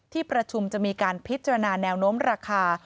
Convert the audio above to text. ที่ประชุมจะมีการพิจารณาแนวโน้มราคา